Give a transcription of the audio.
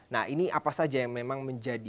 nah ini apa saja yang memang menjadi